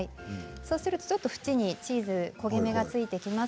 そうするとちょっとチーズ焦げ目がついてきます。